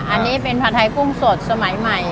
อันนี้เป็นผัดไทยกุ้งสดสมัยใหม่